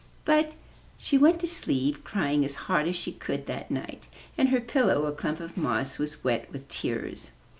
But she went to sleep, crying as hard as she could that night and her pillow, a clump of moss, was wet with tears.